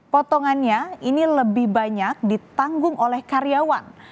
potongannya ini lebih banyak ditanggung oleh karyawan